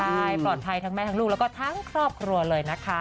ใช่ปลอดภัยทั้งแม่ทั้งลูกแล้วก็ทั้งครอบครัวเลยนะคะ